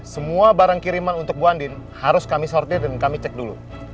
semua barang kiriman untuk bu andin harus kami sortir dan kami cek dulu